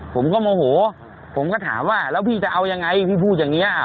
ผมก็โมโหผมก็ถามว่าแล้วพี่จะเอายังไงพี่พูดอย่างนี้